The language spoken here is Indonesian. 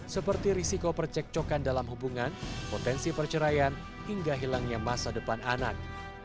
seperti risiko percekcokan dalam hubungan potensi perceraian hingga hilangnya masa depan anak